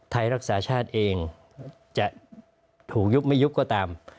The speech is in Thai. ไทยรักษาชาติเองจะถูกยุบไม่ยุบก็ตาม